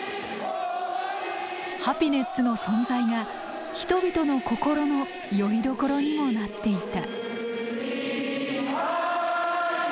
ハピネッツの存在が人々の心のよりどころにもなっていた。